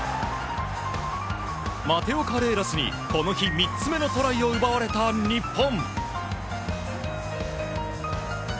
マテオ・カレーラスにこの日３つ目のトライを奪われた日本。